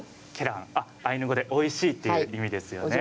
アイヌ語で、おいしいという意味ですよね。